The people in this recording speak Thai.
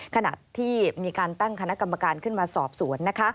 ขณะที่มีการตั้งคณะกรรมการขึ้นมาสอบสวน